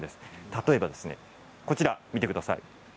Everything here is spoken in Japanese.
例えば、こちらを見てください。